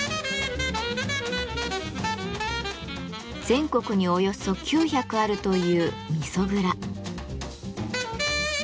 全国におよそ９００あるという味噌蔵。